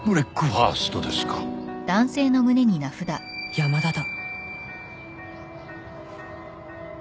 山田だ